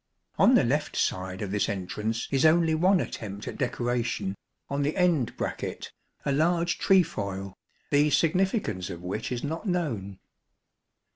On the left side of this entrance is only one attempt at decoration on the end bracket, a large trefoil, the significance of which is not known.